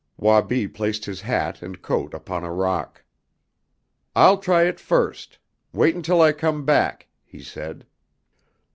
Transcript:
Wabi placed his hat and coat upon a rock. "I'll try it first. Wait until I come back," he said.